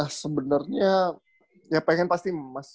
gue sebenernya ya pengen pasti